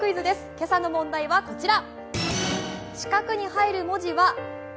今朝の問題はこちら。